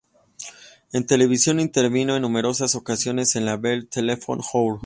En televisión intervino en numerosas ocasiones en la "Bell Telephone Hour".